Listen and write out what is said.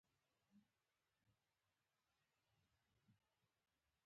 واک د حریصو ډلو لاس ته ورغی.